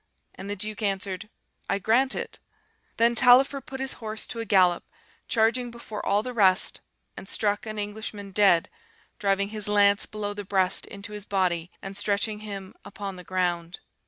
And the Duke answered, 'I grant it.' Then Taillefer put his horse to a gallop, charging before all the rest, and struck an Englishman dead, driving his lance below the breast into his body, and stretching him upon the ground.